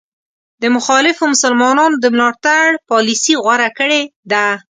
د مخالفو مسلمانانو د ملاتړ پالیسي غوره کړې ده.